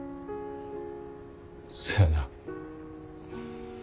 せやな。